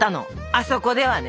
あそこではね。